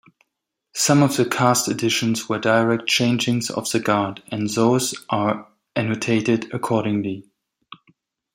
Some of the cast additions were direct changings-of-the-guard, and those are annotated accordingly.